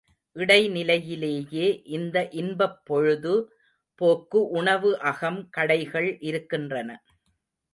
இடை நிலையிலேயே இந்த இன்பப் பொழுது போக்கு உணவு அகம் கடைகள் இருக்கின்றன.